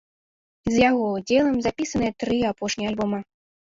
З яго ўдзелам запісаныя тры апошнія альбома.